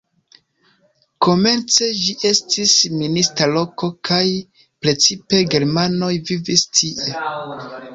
Komence ĝi estis minista loko kaj precipe germanoj vivis tie.